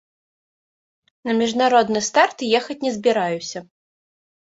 На міжнародны старт ехаць не збіраюся.